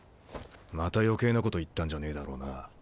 また余計なこと言ったんじゃねえだろうな。